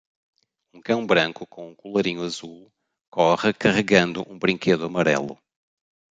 Um cão branco com um colarinho azul corre carregando um brinquedo amarelo.